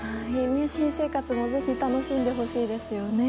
新生活もぜひ楽しんでほしいですね。